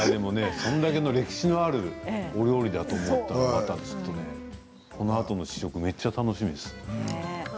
それだけ、歴史のあるお料理だと思うと、このあとの試食めっちゃ楽しみです。